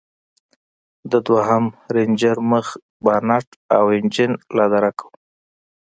د دويم رېنجر مخ بانټ او انجن لادرکه و.